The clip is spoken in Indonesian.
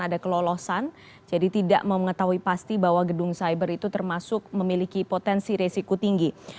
ada kelolosan jadi tidak mengetahui pasti bahwa gedung cyber itu termasuk memiliki potensi resiko tinggi